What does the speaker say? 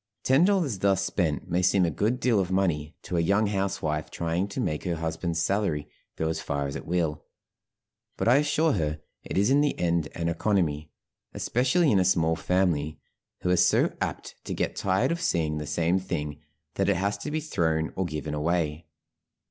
Ten dollars thus spent may seem a good deal of money to a young housewife trying to make her husband's salary go as far as it will; but I assure her it is in the end an economy, especially in a small family, who are so apt to get tired of seeing the same thing, that it has to be thrown or given away.